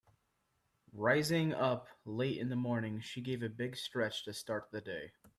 Rising up late in the morning she gave a big stretch to start the day.